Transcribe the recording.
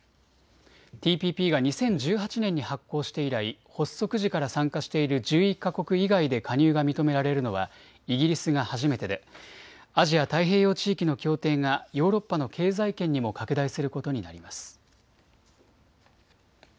ＴＰＰが２０１８年に発効して以来、発足時から参加している１１か国以外で加入が認められるのはイギリスが初めてでアジア太平洋地域の協定がヨーロッパの経済圏にも拡大することになります。